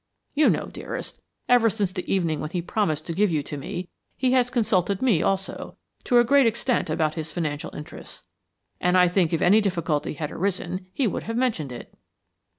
You know, dearest, ever since the evening when he promised to give you to me, he has consulted me, also, to a great extent about his financial interests, and I think if any difficulty had arisen he would have mentioned it."